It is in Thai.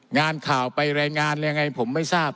งานข่าวไปรายงานยังไงผมไม่ทราบ